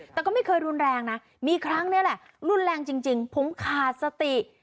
แต่ก็ไม่เคยรุนแรงนะมีครั้งนี้แหละรุนแรงจริงผมขาดสติ